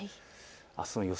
あすの予想